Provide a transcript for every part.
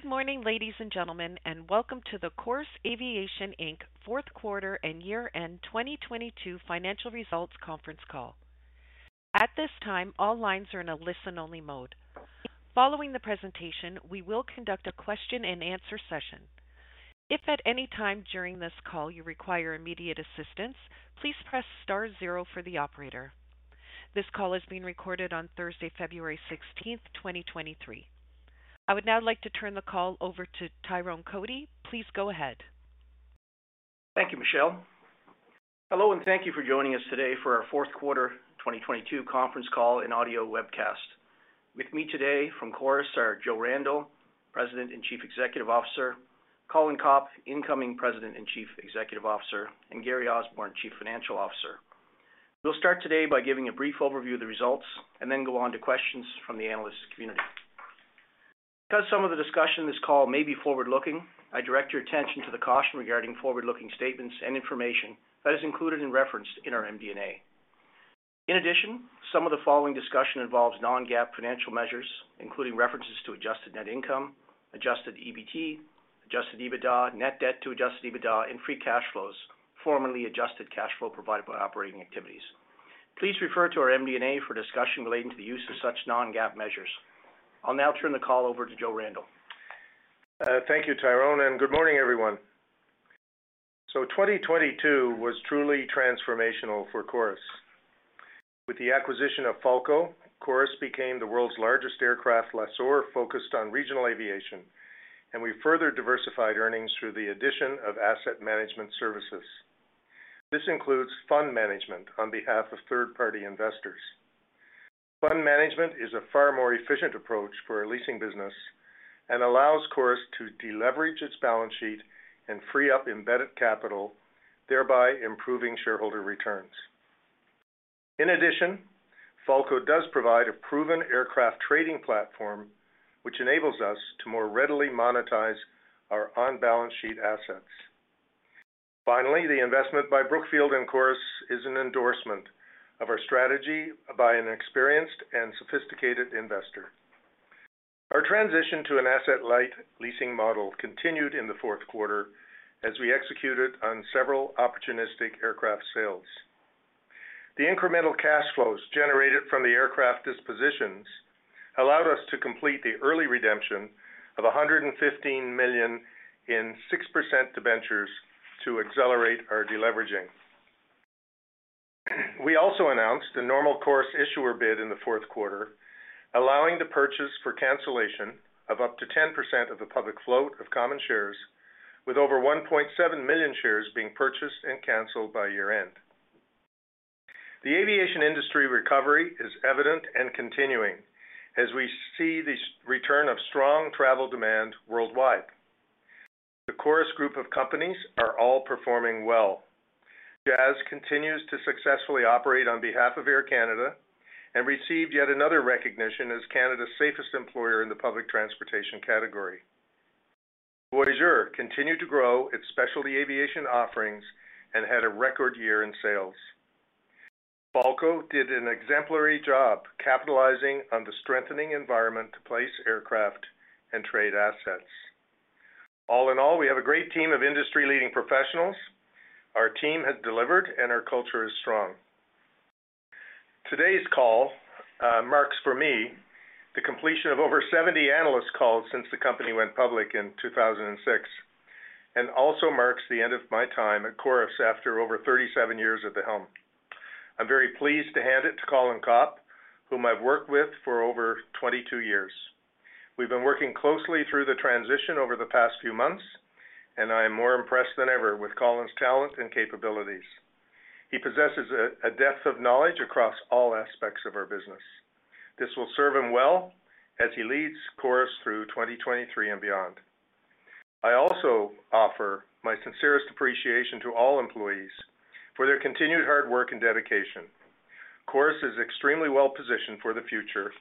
Good morning, ladies and gentlemen, welcome to the Chorus Aviation Inc. fourth quarter and year-end 2022 financial results conference call. At this time, all lines are in a listen-only mode. Following the presentation, we will conduct a question-and-answer session. If at any time during this call you require immediate assistance, please press star zero for the operator. This call is being recorded on Thursday, February 16th, 2023. I would now like to turn the call over to Tyrone Cotie. Please go ahead. Thank you, Michelle. Hello, and thank you for joining us today for our fourth quarter 2022 conference call and audio webcast. With me today from Chorus are Joe Randell, President and Chief Executive Officer, Colin Copp, Incoming President and Chief Executive Officer, and Gary Osborne, Chief Financial Officer. We'll start today by giving a brief overview of the results and then go on to questions from the analyst community. Because some of the discussion in this call may be forward-looking, I direct your attention to the caution regarding forward-looking statements and information that is included and referenced in our MD&A. In addition, some of the following discussion involves non-GAAP financial measures, including references to Adjusted Net Income, Adjusted EBT, Adjusted EBITDA, Net Debt to Adjusted EBITDA, and Free Cash Flow, formerly adjusted cash flow provided by operating activities. Please refer to our MD&A for discussion relating to the use of such non-GAAP measures. I'll now turn the call over to Joe Randell. Thank you, Tyrone, and good morning, everyone. 2022 was truly transformational for Chorus. With the acquisition of Falko, Chorus became the world's largest aircraft lessor focused on regional aviation, and we further diversified earnings through the addition of asset management services. This includes fund management on behalf of third-party investors. Fund management is a far more efficient approach for our leasing business and allows Chorus to deleverage its balance sheet and free up embedded capital, thereby improving shareholder returns. In addition, Falko does provide a proven aircraft trading platform, which enables us to more readily monetize our on-balance sheet assets. Finally, the investment by Brookfield and Chorus is an endorsement of our strategy by an experienced and sophisticated investor. Our transition to an asset-light leasing model continued in the fourth quarter as we executed on several opportunistic aircraft sales. The incremental cash flows generated from the aircraft dispositions allowed us to complete the early redemption of 115 million in 6% debentures to accelerate our deleveraging. We also announced a Normal Course Issuer Bid in the fourth quarter, allowing the purchase for cancellation of up to 10% of the public float of common shares with over 1.7 million shares being purchased and canceled by year-end. The aviation industry recovery is evident and continuing as we see this return of strong travel demand worldwide. The Chorus group of companies are all performing well. Jazz continues to successfully operate on behalf of Air Canada and received yet another recognition as Canada's safest employer in the public transportation category. Voyageur continued to grow its specialty aviation offerings and had a record year in sales. Falko did an exemplary job capitalizing on the strengthening environment to place aircraft and trade assets. All in all, we have a great team of industry-leading professionals. Our team has delivered, and our culture is strong. Today's call marks for me the completion of over 70 analyst calls since the company went public in 2006, and also marks the end of my time at Chorus after over 37 years at the helm. I'm very pleased to hand it to Colin Copp, whom I've worked with for over 22 years. We've been working closely through the transition over the past few months, and I am more impressed than ever with Colin's talents and capabilities. He possesses a depth of knowledge across all aspects of our business. This will serve him well as he leads Chorus through 2023 and beyond. I also offer my sincerest appreciation to all employees for their continued hard work and dedication. Chorus is extremely well-positioned for the future.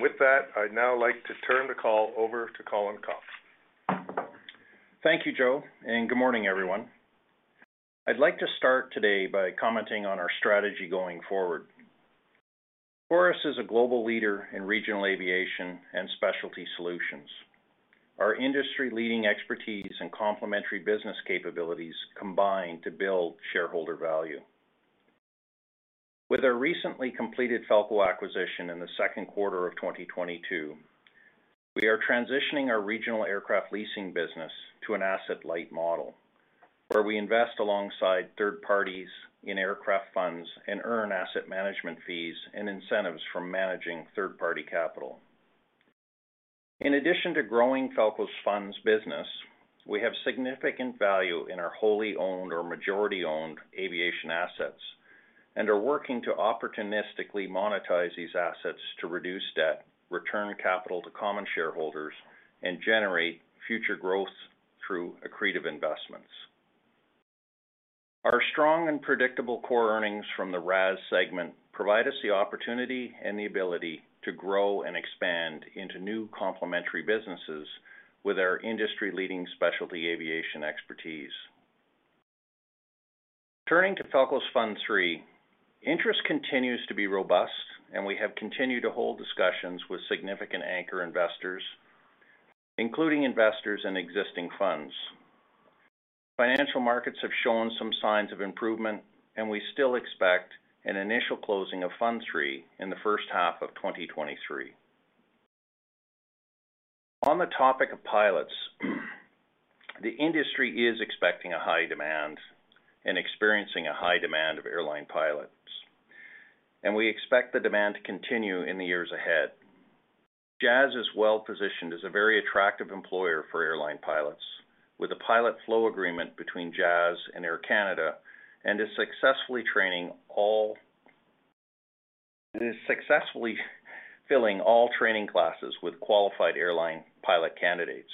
With that, I'd now like to turn the call over to Colin Copp. Thank you, Joe, and good morning, everyone. I'd like to start today by commenting on our strategy going forward. Chorus is a global leader in regional aviation and specialty solutions. Our industry-leading expertise and complementary business capabilities combine to build shareholder value. With our recently completed Falko acquisition in the second quarter of 2022, we are transitioning our regional aircraft leasing business to an asset-light model, where we invest alongside third parties in aircraft funds and earn asset management fees and incentives from managing third-party capital. In addition to growing Falko's funds business, we have significant value in our wholly owned or majority owned aviation assets and are working to opportunistically monetize these assets to reduce debt, return capital to common shareholders, and generate future growth through accretive investments. Our strong and predictable core earnings from the RAS segment provide us the opportunity and the ability to grow and expand into new complementary businesses with our industry-leading specialty aviation expertise. Turning to Falko's Fund III, interest continues to be robust and we have continued to hold discussions with significant anchor investors, including investors in existing funds. Financial markets have shown some signs of improvement and we still expect an initial closing of Fund III in the first half of 2023. On the topic of pilots, the industry is expecting a high demand and experiencing a high demand of airline pilots. We expect the demand to continue in the years ahead. Jazz is well-positioned as a very attractive employer for airline pilots with a pilot flow-through agreement between Jazz and Air Canada and it is successfully filling all training classes with qualified airline pilot candidates.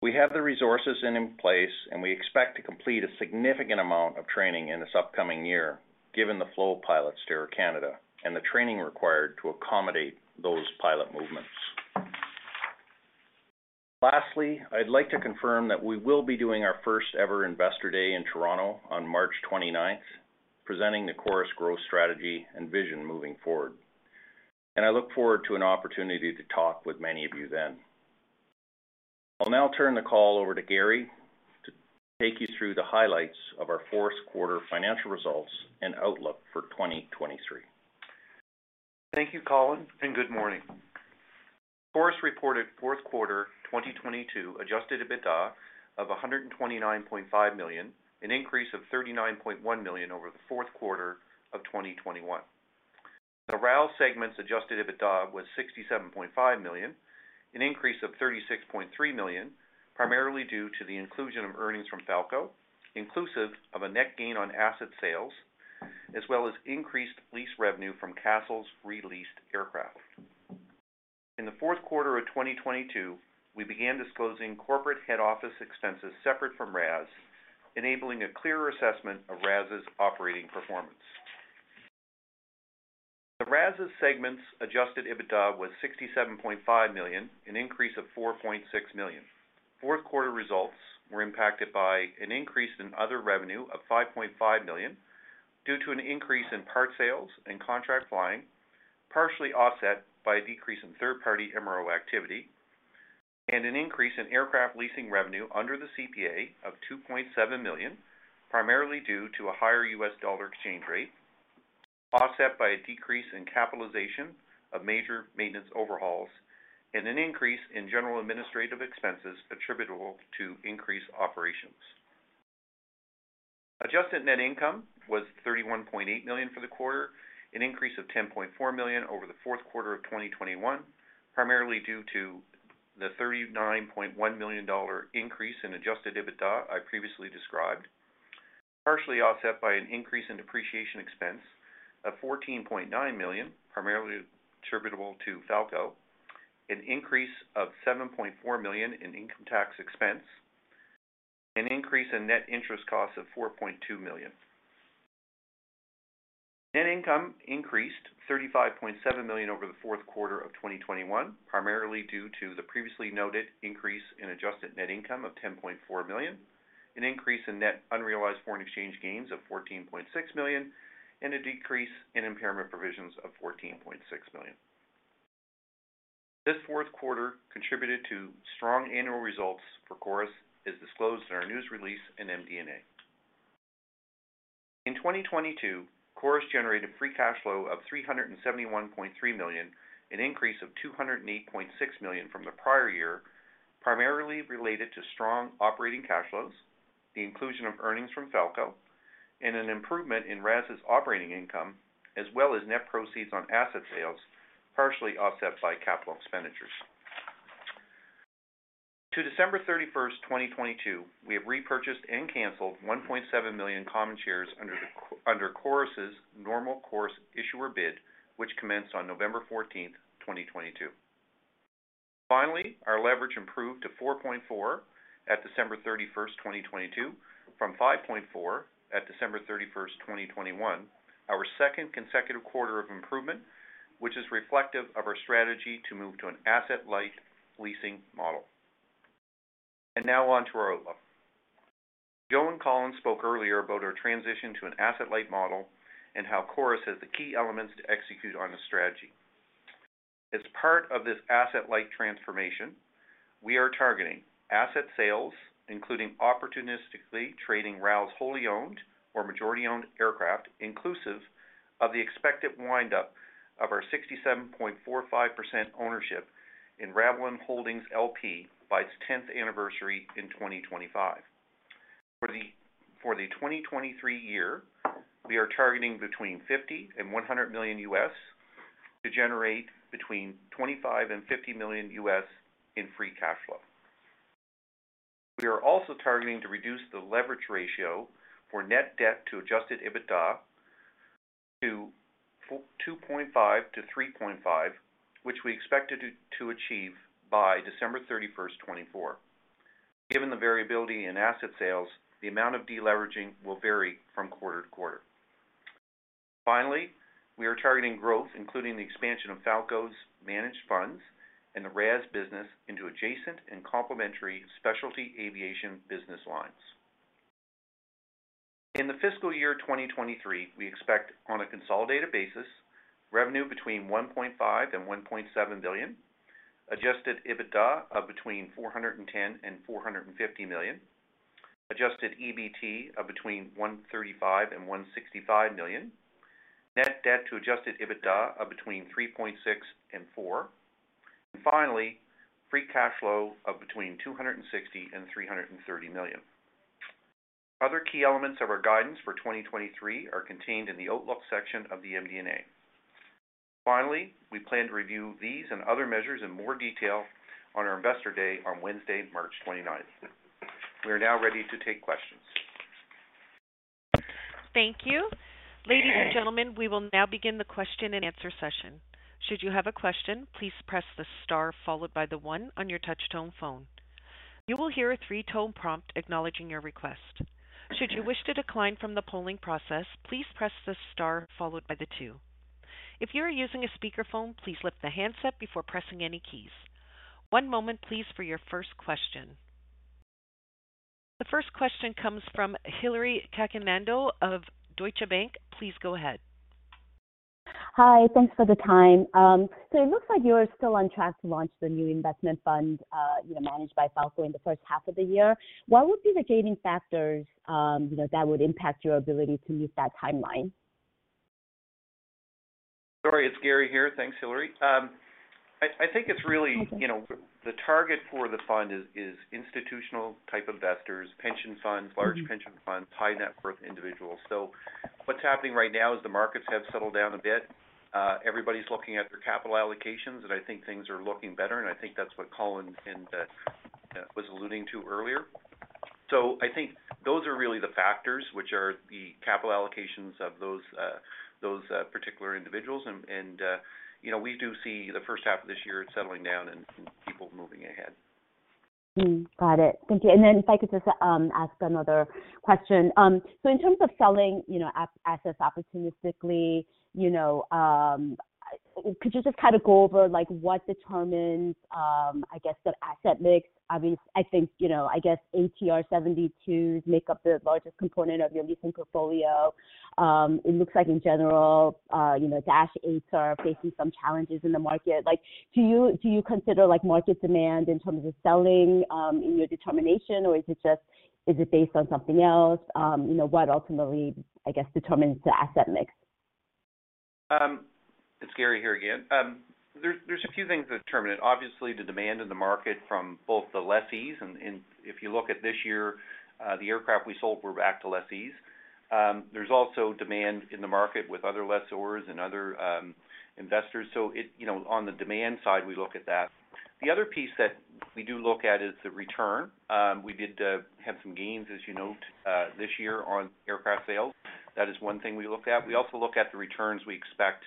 We have the resources in place and we expect to complete a significant amount of training in this upcoming year given the flow of pilots to Air Canada and the training required to accommodate those pilot movements. Lastly, I'd like to confirm that we will be doing our first ever investor day in Toronto on March 29th, presenting the Chorus growth strategy and vision moving forward. I look forward to an opportunity to talk with many of you then. I'll now turn the call over to Gary to take you through the highlights of our fourth quarter financial results and outlook for 2023. Thank you, Colin. Good morning. Chorus reported fourth quarter 2022 Adjusted EBITDA of 129.5 million, an increase of 39.1 million over the fourth quarter of 2021. The RAL segment's Adjusted EBITDA was 67.5 million, an increase of 36.3 million, primarily due to the inclusion of earnings from Falko, inclusive of a net gain on asset sales, as well as increased lease revenue from Castlelake's re-leased aircraft. In the fourth quarter of 2022, we began disclosing corporate head office expenses separate from RAS, enabling a clearer assessment of RAS's operating performance. The RAS segment's Adjusted EBITDA was 67.5 million, an increase of 4.6 million. Fourth quarter results were impacted by an increase in other revenue of 5.5 million due to an increase in part sales and contract flying, partially offset by a decrease in third-party MRO activity and an increase in aircraft leasing revenue under the CPA of 2.7 million, primarily due to a higher US dollar exchange rate, offset by a decrease in capitalization of major maintenance overhauls and an increase in general administrative expenses attributable to increased operations. Adjusted Net Income was 31.8 million for the quarter, an increase of 10.4 million over the fourth quarter of 2021, primarily due to the 39.1 million dollar increase in Adjusted EBITDA I previously described, partially offset by an increase in depreciation expense of 14.9 million, primarily attributable to Falko, an increase of 7.4 million in income tax expense, an increase in net interest costs of 4.2 million. Net income increased 35.7 million over the fourth quarter of 2021, primarily due to the previously noted increase in Adjusted Net Income of 10.4 million, an increase in net unrealized foreign exchange gains of 14.6 million, and a decrease in impairment provisions of 14.6 million. This fourth quarter contributed to strong annual results for Chorus as disclosed in our news release in MD&A. In 2022, Chorus generated free cash flow of 371.3 million, an increase of 208.6 million from the prior year, primarily related to strong operating cash flows, the inclusion of earnings from Falko, and an improvement in RAS's operating income, as well as net proceeds on asset sales, partially offset by capital expenditures. To December 31st, 2022, we have repurchased and canceled 1.7 million common shares under Chorus's Normal Course Issuer Bid, which commenced on November 14th, 2022. Finally, our leverage improved to 4.4 at December 31, 2022 from 5.4 at December 31, 2021, our second consecutive quarter of improvement, which is reflective of our strategy to move to an asset-light leasing model. Now on to our outlook. Joe and Colin spoke earlier about our transition to an asset-light model and how Chorus has the key elements to execute on the strategy. As part of this asset-light transformation, we are targeting asset sales, including opportunistically trading RAL's wholly owned or majority owned aircraft, inclusive of the expected wind up of our 67.45% ownership in Ravelin Holdings LP by its 10th anniversary in 2025. For the 2023 year, we are targeting between $50 million and $100 million US to generate between $25 million and $50 million U.S. in free cash flow. We are also targeting to reduce the leverage ratio for Net Debt to Adjusted EBITDA to 2.5-3.5, which we expected to achieve by December 31st, 2024. Given the variability in asset sales, the amount of deleveraging will vary from quarter to quarter. We are targeting growth, including the expansion of Falko's managed funds and the RAS business into adjacent and complementary specialty aviation business lines. In the fiscal year 2023, we expect on a consolidated basis, revenue between 1.5 billion and 1.7 billion, Adjusted EBITDA of between 410 million and 450 million, Adjusted EBT of between 135 million and 165 million, Net Debt to Adjusted EBITDA of between 3.6 and four, and free cash flow of between 260 million and 330 million. Other key elements of our guidance for 2023 are contained in the outlook section of the MD&A. Finally, we plan to review these and other measures in more detail on our Investor Day on Wednesday, March 29th. We are now ready to take questions. Thank you. Ladies and gentlemen, we will now begin the question and answer session. Should you have a question, please press the star followed by the one on your touch-tone phone. You will hear a three-tone prompt acknowledging your request. Should you wish to decline from the polling process, please press the star followed by the two. If you are using a speakerphone, please lift the handset before pressing any keys. One moment please for your first question. The first question comes from Hillary Cacanando of Deutsche Bank. Please go ahead. Hi. Thanks for the time. It looks like you're still on track to launch the new investment fund, managed by Falko in the first half of the year. What would be the gating factors, you know, that would impact your ability to meet that timeline? Sorry, it's Gary here. Thanks, Hillary. I think it's really, you know, the target for the fund is institutional type investors, pension funds, large pension funds, high net worth individuals. What's happening right now is the markets have settled down a bit. Everybody's looking at their capital allocations, and I think things are looking better, and I think that's what Colin and was alluding to earlier. I think those are really the factors which are the capital allocations of those those particular individuals. You know, we do see the first half of this year settling down and people moving ahead. Got it. Thank you. If I could just ask another question. In terms of selling, you know, assets opportunistically, you know, could you just kind of go over, like, what determines, I guess, the asset mix? I mean, I think, you know, I guess ATR 72s make up the largest component of your leasing portfolio. It looks like in general, you know, Dash 8s are facing some challenges in the market. Like, do you consider, like, market demand in terms of selling, in your determination? Or is it just, is it based on something else? You know, what ultimately, I guess, determines the asset mix? It's Gary here again. There's a few things that determine it. Obviously, the demand in the market from both the lessees, and if you look at this year, the aircraft we sold were back to lessees. There's also demand in the market with other lessors and other investors. You know, on the demand side, we look at that. The other piece that we do look at is the return. We did have some gains, as you note, this year on aircraft sales. That is one thing we look at. We also look at the returns we expect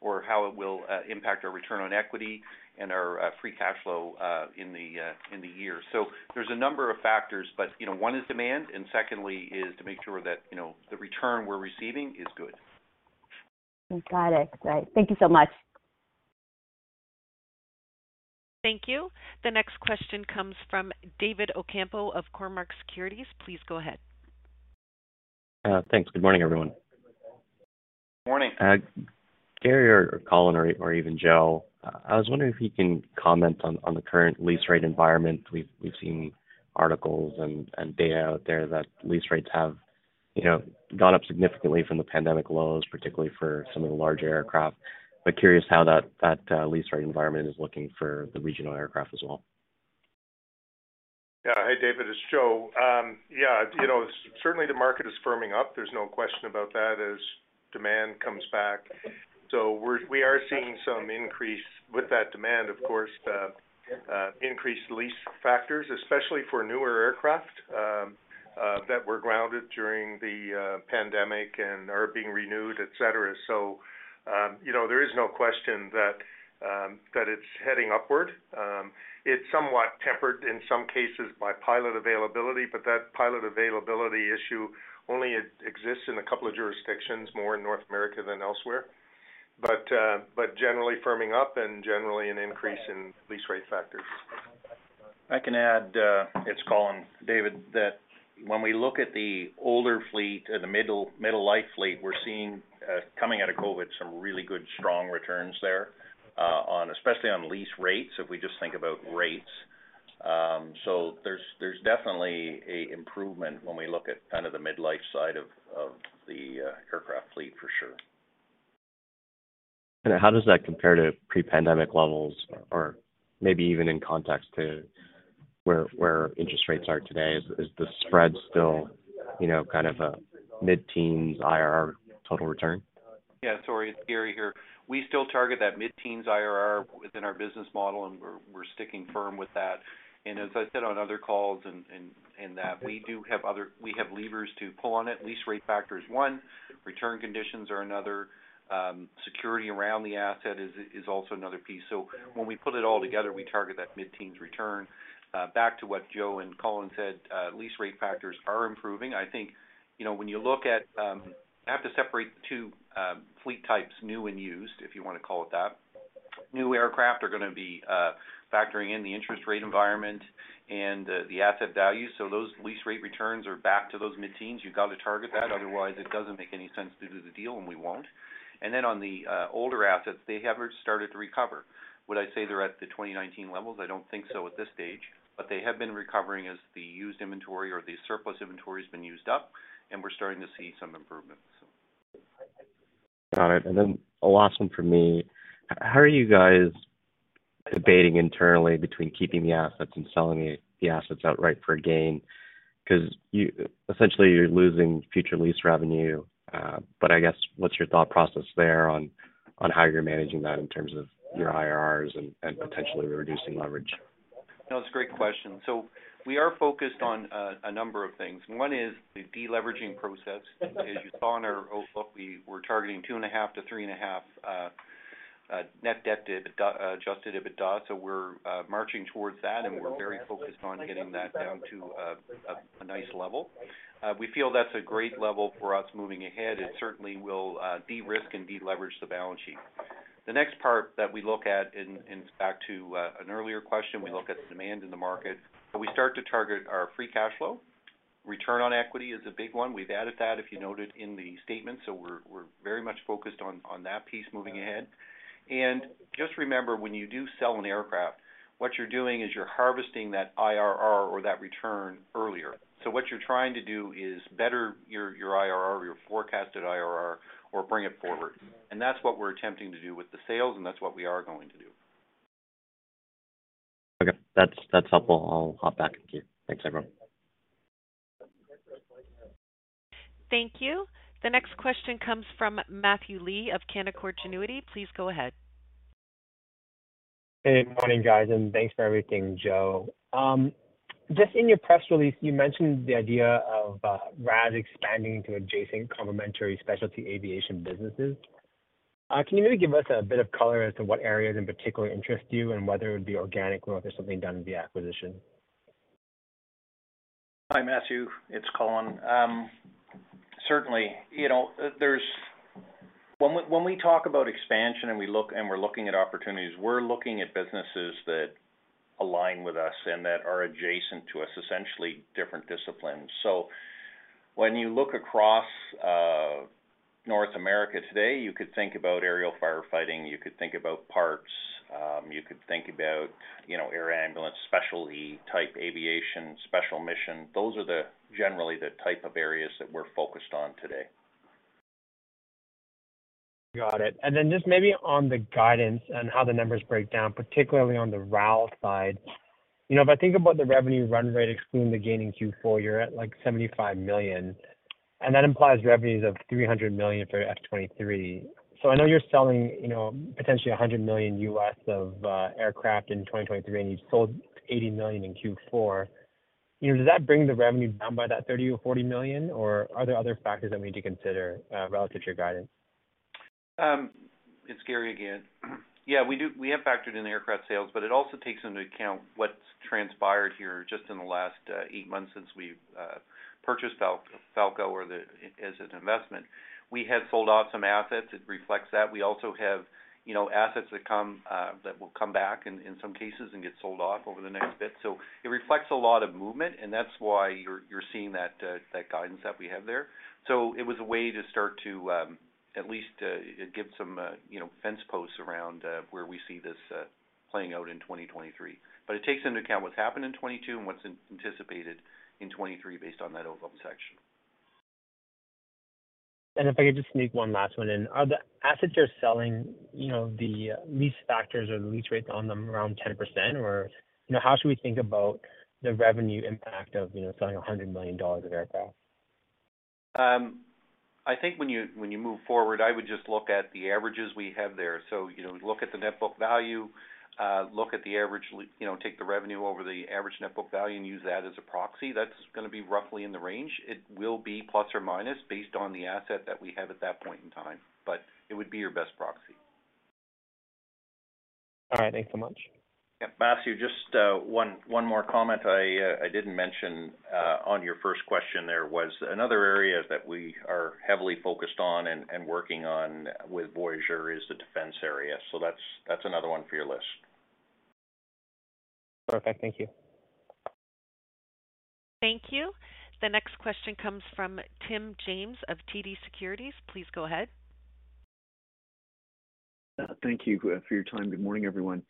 or how it will impact our Return on Equity and our free cash flow in the year. There's a number of factors, but, you know, one is demand, and secondly is to make sure that, you know, the return we're receiving is good. Got it. Great. Thank you so much. Thank you. The next question comes from David Ocampo of Cormark Securities. Please go ahead. Thanks. Good morning, everyone. Morning. Gary or Colin or Joe, I was wondering if you can comment on the current lease rate environment. We've seen articles and data out there that lease rates have, you know, gone up significantly from the pandemic lows, particularly for some of the larger aircraft. Curious how that lease rate environment is looking for the regional aircraft as well. Hey, David, it's Joe. You know, certainly the market is firming up. There's no question about that as demand comes back. We are seeing some increase with that demand, of course, the increased lease factors, especially for newer aircraft that were grounded during the pandemic and are being renewed, et cetera. You know, there is no question that it's heading upward. It's somewhat tempered in some cases by pilot availability, but that pilot availability issue only exists in a couple of jurisdictions, more in North America than elsewhere. Generally firming up and generally an increase in lease rate factors. I can add, it's Colin, David, that when we look at the older fleet and the middle life fleet, we're seeing coming out of COVID, some really good strong returns there, on, especially on lease rates, if we just think about rates. There's definitely a improvement when we look at kind of the mid-life side of the aircraft fleet for sure. How does that compare to pre-pandemic levels or maybe even in context to where interest rates are today? Is the spread still, you know, kind of a mid-teens IRR total return? Sorry, it's Gary here. We still target that mid-teens IRR within our business model, and we're sticking firm with that. As I said on other calls and that, we do have levers to pull on it. Lease rate factor is one, return conditions are another. Security around the asset is also another piece. When we put it all together, we target that mid-teens return. Back to what Joe and Colin said, lease rate factors are improving. I think, you know, when you look at, have to separate the two fleet types, new and used, if you wanna call it that. New aircraft are gonna be factoring in the interest rate environment and the asset value. Those lease rate returns are back to those mid-teens. You got to target that, otherwise it doesn't make any sense to do the deal and we won't. Then on the older assets, they have started to recover. Would I say they're at the 2019 levels? I don't think so at this stage, but they have been recovering as the used inventory or the surplus inventory has been used up, and we're starting to see some improvements. Got it. A last one from me. How are you guys debating internally between keeping the assets and selling the assets outright for a gain? 'Cause essentially, you're losing future lease revenue. I guess, what's your thought process there on how you're managing that in terms of your IRRs and potentially reducing leverage? No, it's a great question. We are focused on a number of things. One is the deleveraging process. As you saw in our outlook, we're targeting 2.5 to 3.5 Net Debt to Adjusted EBITDA. We're marching towards that, and we're very focused on getting that down to a nice level. We feel that's a great level for us moving ahead. It certainly will de-risk and deleverage the balance sheet. The next part that we look at in fact to an earlier question, we look at demand in the market. We start to target our free cash flow. Return on Equity is a big one. We've added that, if you noted in the statement. We're very much focused on that piece moving ahead. Just remember, when you do sell an aircraft, what you're doing is you're harvesting that IRR or that return earlier. What you're trying to do is better your IRR or your forecasted IRR or bring it forward. That's what we're attempting to do with the sales, and that's what we are going to do. Okay. That's helpful. I'll hop back. Thank you. Thanks, everyone. Thank you. The next question comes from Matthew Lee of Canaccord Genuity. Please go ahead. Hey, morning, guys. Thanks for everything, Joe. Just in your press release, you mentioned the idea of RAS expanding to adjacent complementary specialty aviation businesses. Can you maybe give us a bit of color as to what areas in particular interest you and whether it would be organic or if there's something done in the acquisition? Hi, Matthew. It's Colin. certainly, you know, when we talk about expansion and we're looking at opportunities, we're looking at businesses that align with us and that are adjacent to us, essentially different disciplines. When you look across North America today, you could think about aerial firefighting, you could think about parts, you could think about, you know, air ambulance, specialty type aviation, special mission. Those are the, generally the type of areas that we're focused on today. Just maybe on the guidance and how the numbers break down, particularly on the RAL side. You know, if I think about the revenue run rate, excluding the gain in Q4, you're at like $75 million, that implies revenues of $300 million for F 23. I know you're selling, you know, potentially $100 million US of aircraft in 2023, and you've sold $80 million in Q4. You know, does that bring the revenue down by that $30 million or $40 million, or are there other factors that we need to consider relative to your guidance? It's Gary again. Yeah, we have factored in aircraft sales, but it also takes into account what's transpired here just in the last 8 months since we've purchased Falko or as an investment. We have sold off some assets. It reflects that. We also have, you know, assets that come that will come back in some cases and get sold off over the next bit. It reflects a lot of movement, and that's why you're seeing that guidance that we have there. It was a way to start to at least give some, you know, fence posts around where we see this playing out in 2023. It takes into account what's happened in 22 and what's anticipated in 23 based on that outlook section. If I could just sneak one last one in. Are the assets you're selling, you know, the lease factors or the lease rates on them around 10%? How should we think about the revenue impact of, you know, selling 100 million dollars of aircraft? I think when you, when you move forward, I would just look at the averages we have there. You know, look at the net book value, look at the average, you know, take the revenue over the average net book value and use that as a proxy. That's gonna be roughly in the range. It will be plus or minus based on the asset that we have at that point in time. It would be your best proxy. All right. Thanks so much. Yeah. Matthew, just one more comment. I didn't mention on your first question. There was another area that we are heavily focused on and working on with Voyageur is the defense area. That's another one for your list. Perfect. Thank you. Thank you. The next question comes from Tim James of TD Securities. Please go ahead. Thank you for your time. Good morning, everyone.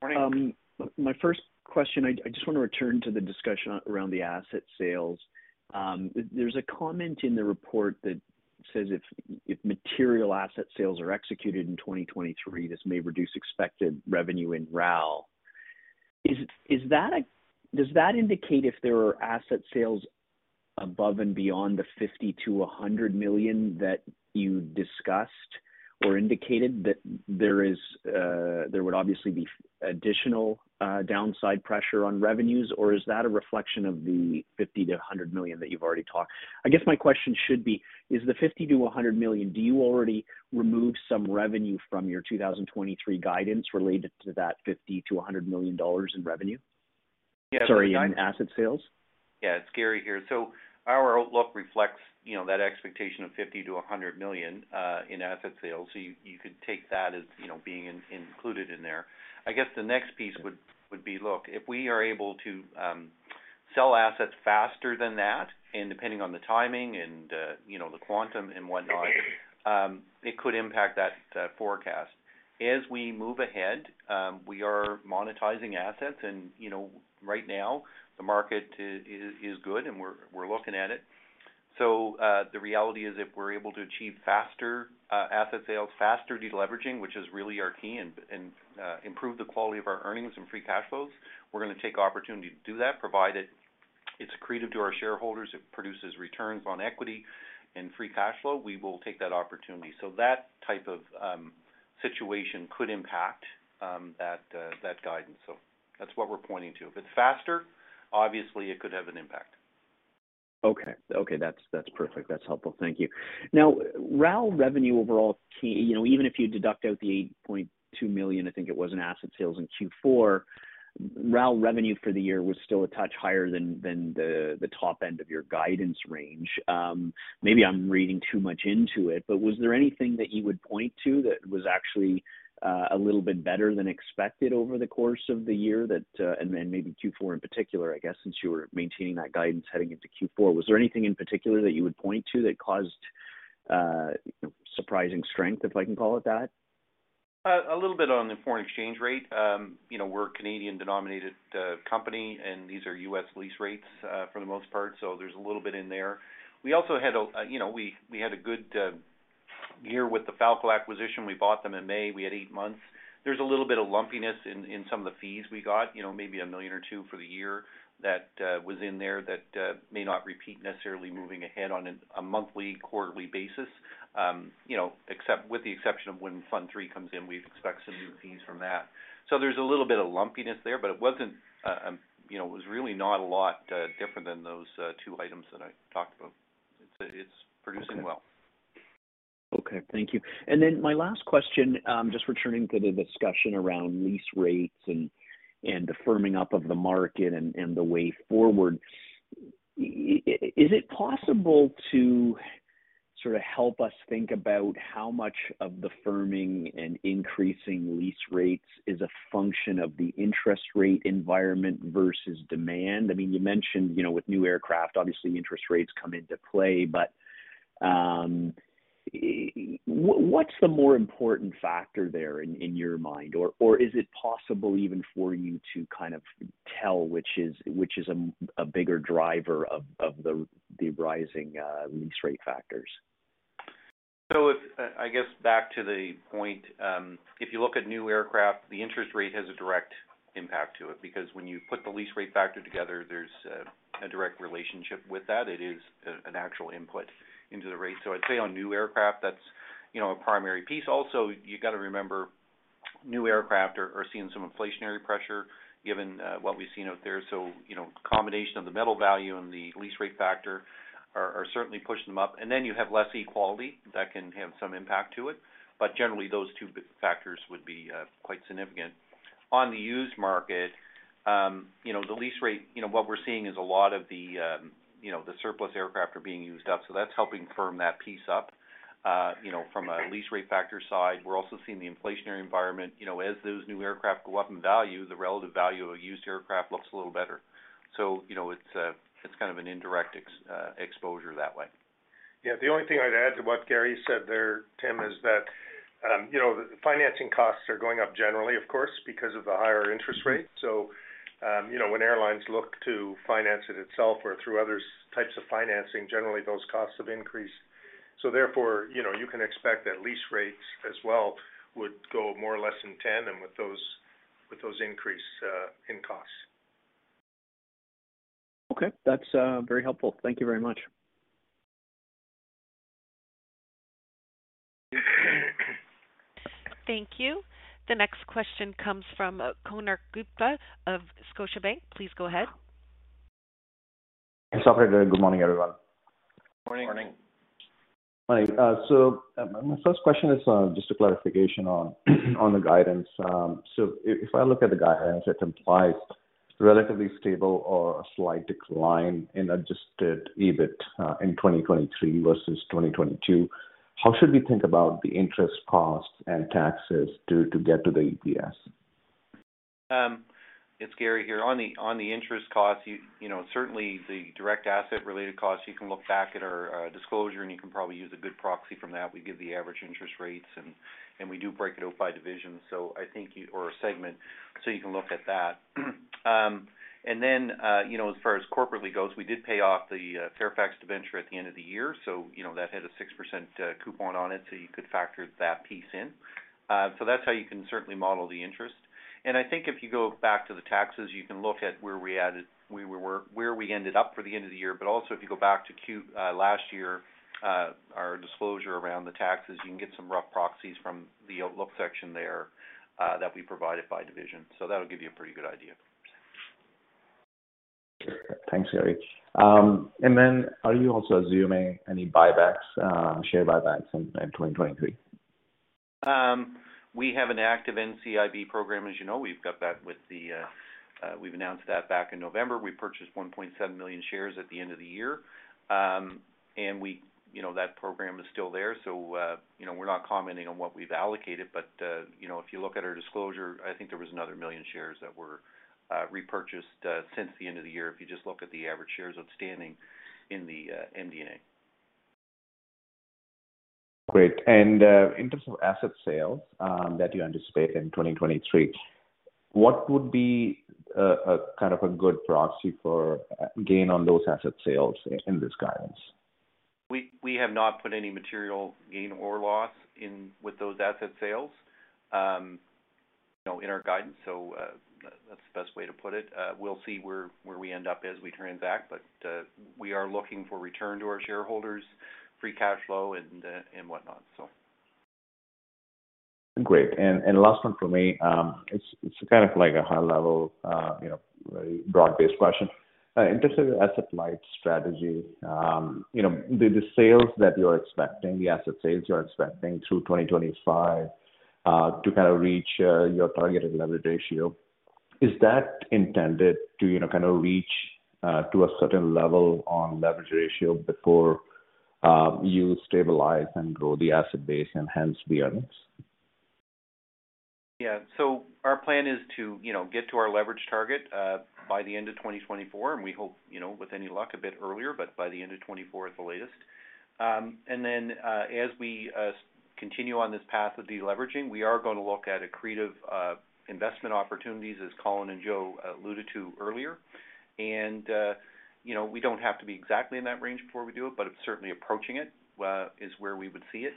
Morning. my first question, I just wanna return to the discussion around the asset sales. There's a comment in the report that says if material asset sales are executed in 2023, this may reduce expected revenue in RAL. Is that indicate if there are asset sales above and beyond the $50 million-$100 million that you discussed or indicated that there would obviously be additional downside pressure on revenues, or is that a reflection of the $50 million-$100 million that you've already talked? I guess my question should be, is the $50 million-$100 million, do you already remove some revenue from your 2023 guidance related to that $50 million-$100 million in revenue? Sorry, in asset sales. Yeah. It's Gary here. Our outlook reflects, you know, that expectation of $50 million-$100 million in asset sales. You could take that as, you know, being included in there. I guess the next piece would be, look, if we are able to sell assets faster than that, and depending on the timing and, you know, the quantum and whatnot, it could impact that forecast. As we move ahead, we are monetizing assets and, you know, right now the market is good and we're looking at it. The reality is if we're able to achieve faster asset sales, faster deleveraging, which is really our key, and improve the quality of our earnings and free cash flow, we're gonna take opportunity to do that, provided it's accretive to our shareholders, it produces returns on equity and free cash flow, we will take that opportunity. That type of situation could impact that guidance. That's what we're pointing to. If it's faster, obviously it could have an impact. Okay. That's perfect. That's helpful. Thank you. RAL revenue overall, you know, even if you deduct out the 8.2 million, I think it was an asset sales in Q4, RAL revenue for the year was still a touch higher than the top end of your guidance range. Maybe I'm reading too much into it, but was there anything that you would point to that was actually a little bit better than expected over the course of the year that, and then maybe Q4 in particular, I guess, since you were maintaining that guidance heading into Q4, was there anything in particular that you would point to that caused surprising strength, if I can call it that? A little bit on the foreign exchange rate. You know, we're a Canadian-denominated company, these are US lease rates for the most part, so there's a little bit in there. We also had a, you know, we had a good year with the Falko acquisition. We bought them in May. We had 8 months. There's a little bit of lumpiness in some of the fees we got, you know, maybe 1 million or 2 for the year that was in there that may not repeat necessarily moving ahead on a monthly, quarterly basis, you know, except with the exception of when Fund III comes in, we expect some new fees from that. There's a little bit of lumpiness there, but it wasn't, you know, it was really not a lot different than those 2 items that I talked about. It's, it's producing well. Okay. Thank you. My last question, just returning to the discussion around lease rates and the firming up of the market and the way forward. Is it possible to sort of help us think about how much of the firming and increasing lease rates is a function of the interest rate environment versus demand? I mean, you know, with new aircraft, obviously interest rates come into play, but what's the more important factor there in your mind? Or is it possible even for you to kind of tell which is a bigger driver of the rising lease rate factors? I guess back to the point, if you look at new aircraft, the interest rate has a direct impact to it because when you put the lease rate factor together, there's a direct relationship with that. It is an actual input into the rate. I'd say on new aircraft, that's, you know, a primary piece. Also, you got to remember, new aircraft are seeing some inflationary pressure given what we've seen out there. you know, combination of the metal value and the lease rate factor are certainly pushing them up. Then you have less equality that can have some impact to it. Generally, those two factors would be quite significant. On the used market, you know, the lease rate, you know, what we're seeing is a lot of the, you know, the surplus aircraft are being used up. That's helping firm that piece up, you know, from a lease rate factor side. We're also seeing the inflationary environment. You know, as those new aircraft go up in value, the relative value of a used aircraft looks a little better. You know, it's kind of an indirect exposure that way. The only thing I'd add to what Gary said there, Tim, is that, you know, the financing costs are going up generally, of course, because of the higher interest rates. You know, when airlines look to finance it itself or through other types of financing, generally those costs have increased. You know, you can expect that lease rates as well would go more or less than 10 and with those increase in costs. Okay. That's, very helpful. Thank you very much. Thank you. The next question comes from Konark Gupta of Scotiabank. Please go ahead. Thanks, operator. Good morning, everyone. Morning. Morning. Hi. My first question is just a clarification on the guidance. If I look at the guidance, it implies relatively stable or a slight decline in Adjusted EBIT in 2023 versus 2022. How should we think about the interest costs and taxes due to get to the EPS? It's Gary here. On the interest costs, you know, certainly the direct asset-related costs, you can look back at our disclosure, and you can probably use a good proxy from that. We give the average interest rates, and we do break it out by division. Or a segment. You can look at that. You know, as far as corporately goes, we did pay off the Fairfax debenture at the end of the year, you know, that had a 6% coupon on it, you could factor that piece in. That's how you can certainly model the interest. And I think if you go back to the taxes, you can look at where we ended up for the end of the year. If you go back to Q last year, our disclosure around the taxes, you can get some rough proxies from the outlook section there, that we provided by division. That'll give you a pretty good idea. Thanks, Gary. Are you also assuming any buybacks, share buybacks in 2023? We have an active NCIB program, as you know. We've got that with the, we've announced that back in November. We purchased 1.7 million shares at the end of the year. You know, that program is still there. You know, we're not commenting on what we've allocated, but, you know, if you look at our disclosure, I think there was another 1 million shares that were repurchased since the end of the year. If you just look at the average shares outstanding in the MD&A. Great. In terms of asset sales, that you anticipate in 2023, what would be a kind of a good proxy for gain on those asset sales in this guidance? We have not put any material gain or loss in with those asset sales, you know, in our guidance. That's the best way to put it. We'll see where we end up as we transact, we are looking for return to our shareholders, free cash flow and whatnot. Great. Last one for me, it's kind of like a high level, you know, very broad-based question. In terms of asset-light strategy, you know, the sales that you're expecting, the asset sales you're expecting through 2025, to kind of reach your targeted leverage ratio, is that intended to, you know, kind of reach to a certain level on leverage ratio before you stabilize and grow the asset base and hence the earnings? Yeah. Our plan is to, you know, get to our leverage target by the end of 2024, and we hope, you know, with any luck, a bit earlier, but by the end of 2024 at the latest. As we continue on this path of deleveraging, we are gonna look at accretive investment opportunities as Colin and Joe alluded to earlier. You know, we don't have to be exactly in that range before we do it, but it's certainly approaching it is where we would see it.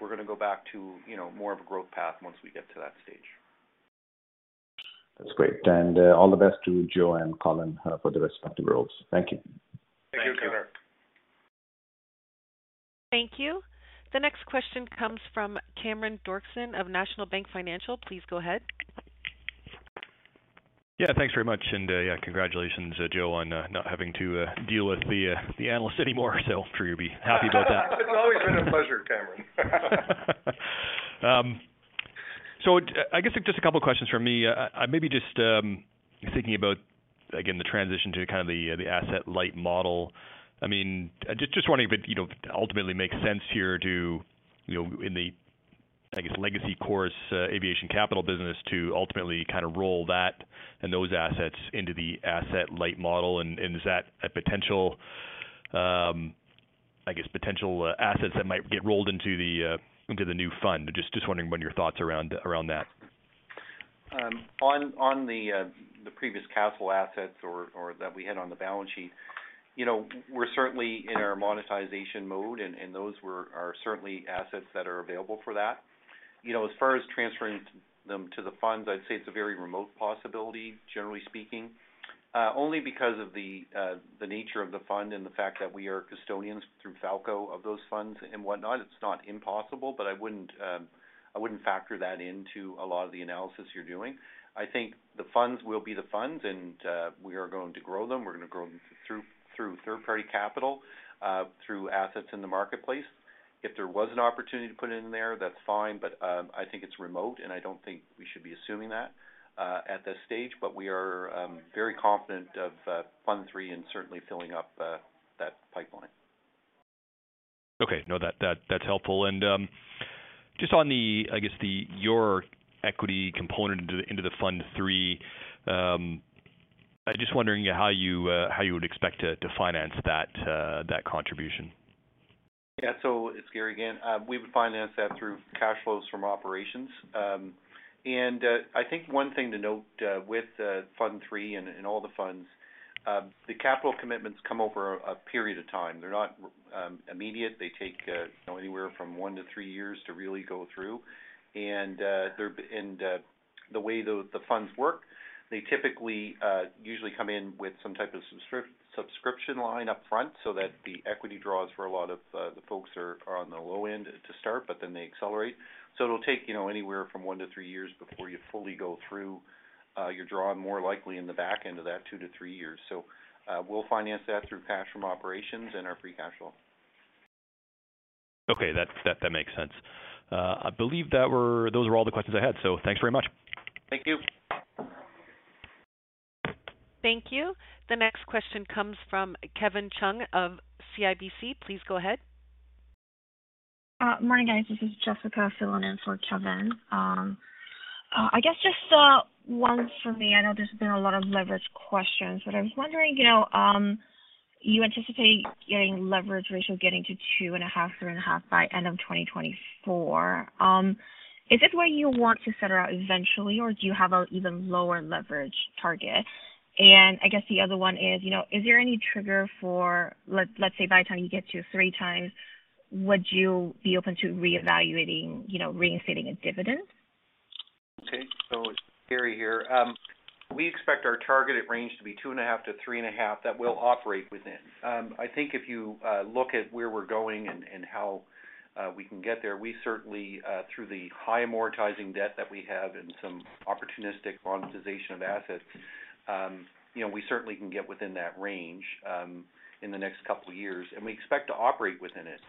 We're gonna go back to, you know, more of a growth path once we get to that stage. That's great. All the best to Joe and Colin, for the respective roles. Thank you. Thank you. Thank you, Konark. Thank you. The next question comes from Cameron Doerksen of National Bank Financial. Please go ahead. Yeah, thanks very much. Yeah, congratulations, Joe, on not having to deal with the analysts anymore. I'm sure you'll be happy about that. It's always been a pleasure, Cameron. I guess just a couple of questions from me. Maybe just thinking about, again, the transition to kind of the asset-light model. I mean, just wondering if it, you know, ultimately makes sense here to, you know, in the, I guess, legacy Chorus Aviation Capital business to ultimately kind of roll that and those assets into the asset-light model. Is that a potential, I guess, potential assets that might get rolled into the new fund? Just wondering what are your thoughts around that. On the previous capital assets or that we had on the balance sheet. You know, we're certainly in our monetization mode, those are certainly assets that are available for that. You know, as far as transferring them to the funds, I'd say it's a very remote possibility, generally speaking. Only because of the nature of the fund and the fact that we are custodians through Falko of those funds and whatnot. It's not impossible, but I wouldn't factor that into a lot of the analysis you're doing. I think the funds will be the funds, and we are going to grow them. We're gonna grow them through third-party capital, through assets in the marketplace. If there was an opportunity to put it in there, that's fine, but, I think it's remote, and I don't think we should be assuming that at this stage. We are very confident of Fund III and certainly filling up that pipeline. Okay. No, that's helpful. Just on the, I guess, your equity component into the, into the Fund III, I'm just wondering how you, how you would expect to finance that contribution. It's Gary again. We would finance that through cash flows from operations. I think one thing to note with Fund III and all the funds, the capital commitments come over a period of time. They're not immediate. They take, you know, anywhere from 1-3 years to really go through. The way the funds work, they typically usually come in with some type of subscription line upfront so that the equity draws for a lot of the folks are on the low end to start, but then they accelerate. It'll take, you know, anywhere from 1 to 3 years before you fully go through your draw more likely in the back end of that 2-3 years. We'll finance that through cash from operations and our free cash flow. Okay. That makes sense. I believe that those were all the questions I had. Thanks very much. Thank you. Thank you. The next question comes from Jessica Joyce of CIBC. Please go ahead. Morning, guys, this is Jessica filling in for Kevin. I guess just one for me. I know there's been a lot of leverage questions, but I was wondering, you know, you anticipate getting leverage ratio getting to 2.5, 3.5 by end of 2024. Is this where you want to set her out eventually, or do you have an even lower leverage target? I guess the other one is, you know, is there any trigger for, let's say, by the time you get to three times, would you be open to reevaluating, you know, reinstating a dividend? It's Gary here. We expect our targeted range to be 2.5-3.5 that we'll operate within. I think if you look at where we're going and how we can get there, we certainly through the high amortizing debt that we have and some opportunistic monetization of assets, you know, we certainly can get within that range in the next couple years, and we expect to operate within it.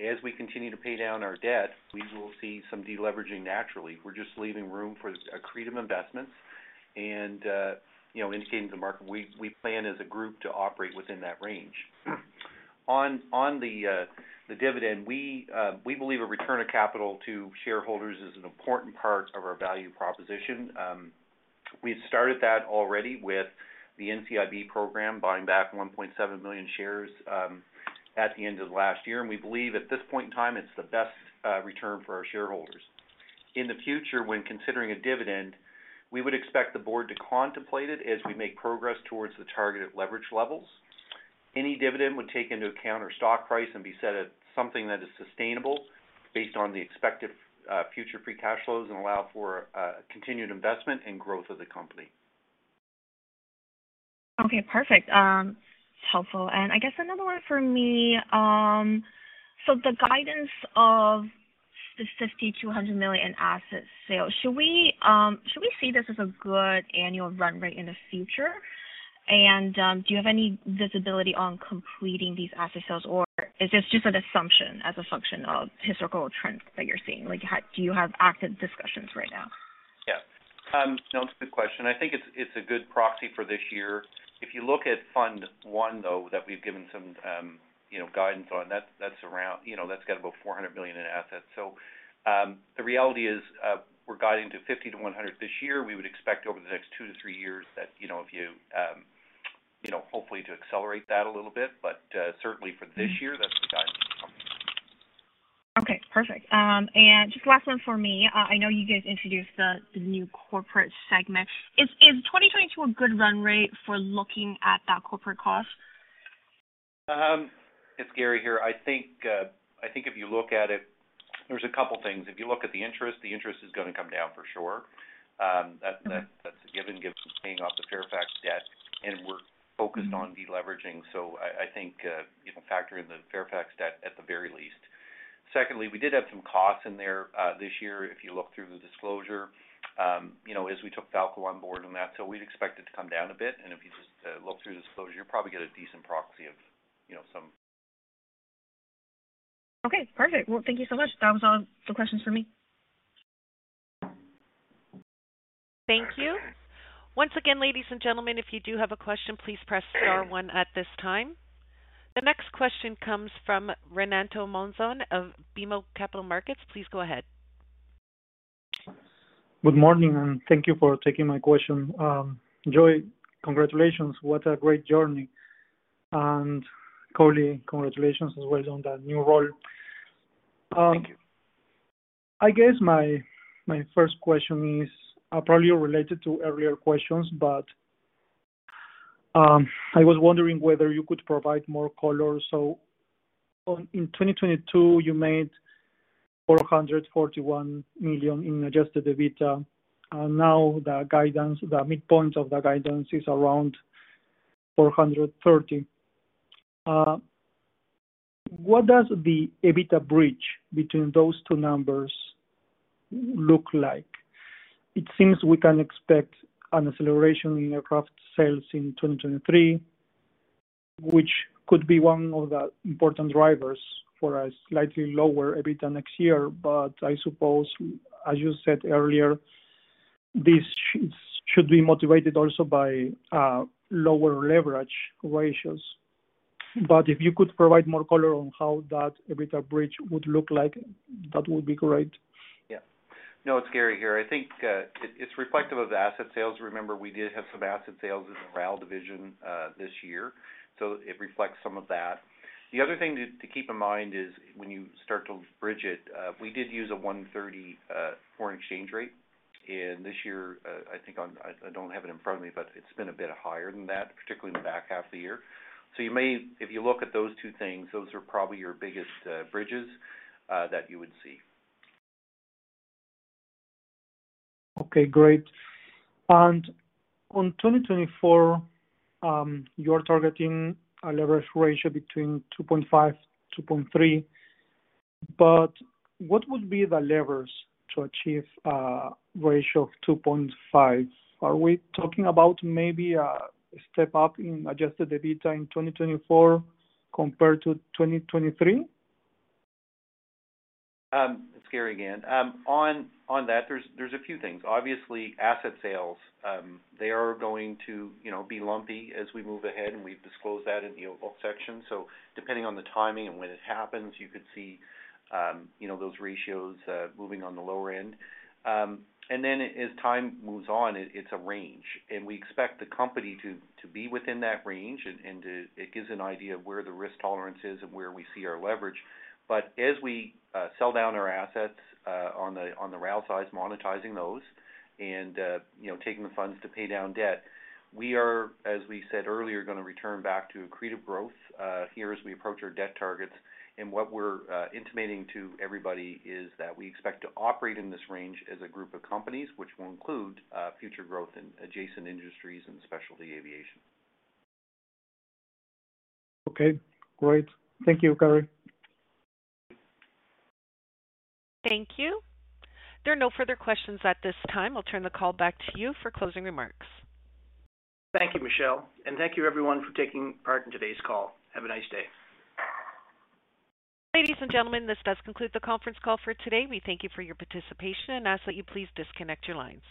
As we continue to pay down our debt, we will see some deleveraging naturally. We're just leaving room for accretive investments and, you know, indicating to the market we plan as a group to operate within that range. On the dividend, we believe a return of capital to shareholders is an important part of our value proposition. We've started that already with the NCIB program, buying back 1.7 million shares, at the end of last year. We believe at this point in time it's the best return for our shareholders. In the future, when considering a dividend, we would expect the board to contemplate it as we make progress towards the targeted leverage levels. Any dividend would take into account our stock price and be set at something that is sustainable based on the expected future free cash flow and allow for continued investment and growth of the company. Okay, perfect. Helpful. I guess another one for me. The guidance of the $50 million-$100 million in asset sales, should we see this as a good annual run rate in the future? Do you have any visibility on completing these asset sales, or is this just an assumption as a function of historical trends that you're seeing? Like, do you have active discussions right now? Yeah. No, it's a good question. I think it's a good proxy for this year. If you look at Fund I, though, that we've given some, you know, guidance on, that's around, you know, that's got about 400 million in assets. The reality is, we're guiding to 50 million-100 million this year. We would expect over the next 2-3 years that, you know, if you know, hopefully to accelerate that a little bit. Certainly for this year, that's the guidance. Okay, perfect. Just last one for me. I know you guys introduced the new corporate segment. Is 2022 a good run rate for looking at that corporate cost? It's Gary here. I think, I think if you look at it, there's a couple things. If you look at the interest, the interest is gonna come down for sure. That's a given paying off the Fairfax debt, and we're focused on deleveraging. I think, you know, factor in the Fairfax debt at the very least. Secondly, we did have some costs in there this year, if you look through the disclosure, you know, as we took Falko on board and that. We'd expect it to come down a bit. If you just look through disclosure, you'll probably get a decent proxy of, you know. Okay, perfect. Well, thank you so much. That was all the questions for me. Thank you. Once again, ladies and gentlemen, if you do have a question, please press star 1 at this time. The next question comes from Fadi Chamoun of BMO Capital Markets. Please go ahead. Good morning, thank you for taking my question. Joe, congratulations. What a great journey. Colin, congratulations as well on that new role. Thank you. I guess my first question is probably related to earlier questions, but I was wondering whether you could provide more color. In 2022, you made 441 million in Adjusted EBITDA. Now the guidance, the midpoint of the guidance is around 430 million. What does the EBITDA bridge between those two numbers look like? It seems we can expect an acceleration in aircraft sales in 2023, which could be one of the important drivers for a slightly lower EBITDA next year. I suppose, as you said earlier, this should be motivated also by lower leverage ratios. If you could provide more color on how that EBITDA bridge would look like, that would be great. Yeah. No, it's Gary here. I think it's reflective of the asset sales. Remember, we did have some asset sales in the RAL division this year. It reflects some of that. The other thing to keep in mind is when you start to bridge it, we did use a 1.30 foreign exchange rate. This year, I think I don't have it in front of me, but it's been a bit higher than that, particularly in the back half of the year. You may if you look at those two things, those are probably your biggest bridges that you would see. Okay, great. On 2024, you're targeting a leverage ratio between 2.5-2.3, but what would be the levers to achieve a ratio of 2.5? Are we talking about maybe a step up in Adjusted EBITDA in 2024 compared to 2023? It's Gary again. On that, there's a few things. Obviously, asset sales, they are going to, you know, be lumpy as we move ahead, and we've disclosed that in the oval section. Depending on the timing and when it happens, you could see, you know, those ratios moving on the lower end. As time moves on, it's a range. We expect the company to be within that range and to it gives an idea of where the risk tolerance is and where we see our leverage. As we sell down our assets on the RAL size, monetizing those and, you know, taking the funds to pay down debt, we are, as we said earlier, gonna return back to accretive growth here as we approach our debt targets. What we're intimating to everybody is that we expect to operate in this range as a group of companies, which will include future growth in adjacent industries and specialty aviation. Okay, great. Thank you, Gary. Thank you. There are no further questions at this time. I'll turn the call back to you for closing remarks. Thank you, Michelle. Thank you everyone for taking part in today's call. Have a nice day. Ladies and gentlemen, this does conclude the conference call for today. We thank you for your participation and ask that you please disconnect your lines.